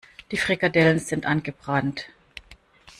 Die Frikadellen sind angebrannt.